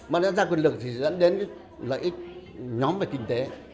mà lợi ích ra quyền lực thì dẫn đến cái lợi ích nhóm về kinh tế